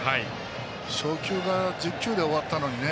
初回が１０球で終わったのにね